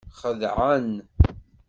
Xeddɛen.